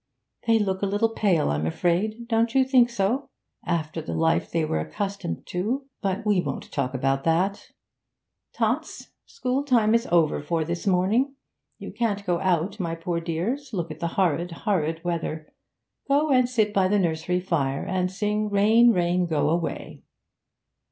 They look a little pale, I'm afraid; don't you think so? After the life they were accustomed to but we won't talk about that. Tots, school time is over for this morning. You can't go out, my poor dears; look at the horrid, horrid weather. Go and sit by the nursery fire, and sing "Rain, rain, go away!"'